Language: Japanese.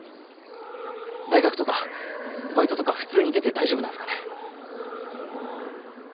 大学とかバイトとか普通に出て大丈夫なんすかね？